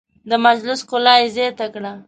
د مجلس ښکلا یې زیاته کړه.